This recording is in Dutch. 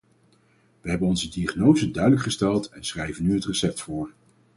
We hebben onze diagnose duidelijk gesteld, en schrijven nu het recept voor.